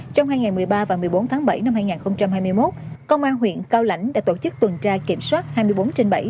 trong hai ngày một mươi ba và một mươi bốn tháng bảy năm hai nghìn hai mươi một công an huyện cao lãnh đã tổ chức tuần tra kiểm soát hai mươi bốn trên bảy